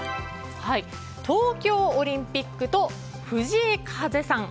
東京オリンピックと藤井風さん。